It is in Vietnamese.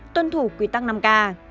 hai tuân thủ quy tắc năm k